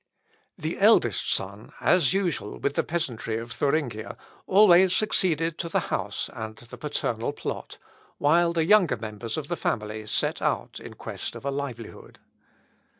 The eldest son, as usual with the peasantry of Thuringia, always succeeded to the house and the paternal plot, while the younger members of the family set out in quest of a livelihood.